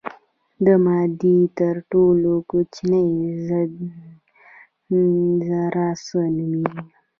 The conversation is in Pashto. د مادې تر ټولو کوچنۍ ذره څه نومیږي.